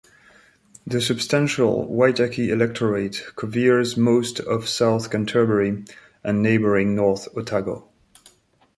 The substantial Waitaki electorate coveres most of South Canterbury and neighbouring North Otago.